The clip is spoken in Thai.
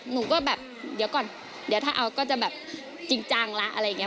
หนูก็แบบเดี๋ยวก่อนเดี๋ยวถ้าเอาก็จะแบบจริงจังละอะไรอย่างนี้